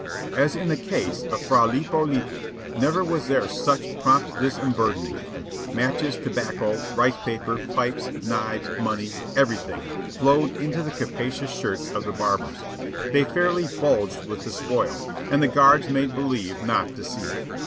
As in the case of Fra Lippo Lippi, never was there such prompt disemburdening. Matches, tobacco, rice paper, pipes, knives, money, everything, flowed into the capacious shirts of the barbers. They fairly bulged with the spoil, and the guards made believe not to see.